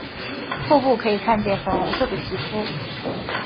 腹部可以看见粉红色的皮肤。